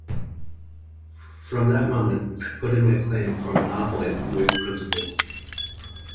From that moment I put in my claim for a monopoly of Whig principles.